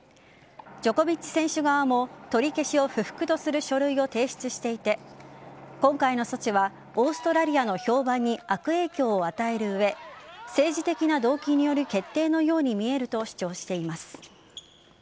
ジョコビッチ選手側も取り消しを不服とする書類を提出していて今回の措置はオーストラリアの評判に悪影響を与える上政治的な動機による決定のように見えると主張しています。